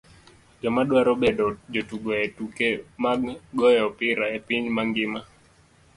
Joma dwaro bedo jotugo e tuke mag goyo opira e piny mangima